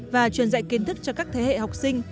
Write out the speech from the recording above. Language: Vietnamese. và truyền dạy kiến thức cho các thế hệ học sinh